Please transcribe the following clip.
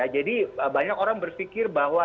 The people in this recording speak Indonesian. jadi banyak orang berpikir bahwa